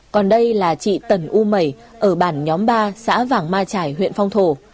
còn đây là chị tần u mẩy ở bản nhóm ba xã vàng ma trải huyện phong thổ